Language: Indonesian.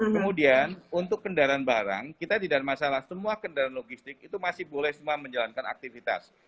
kemudian untuk kendaraan barang kita tidak masalah semua kendaraan logistik itu masih boleh semua menjalankan aktivitas